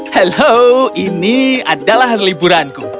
halo ini adalah liburan ku